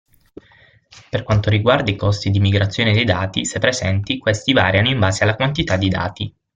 Per quanto riguarda i costi di migrazione dei dati, se presenti, questi variano in base alla quantità di dati.